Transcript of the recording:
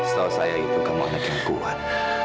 setahu saya itu kamu anak yang kuat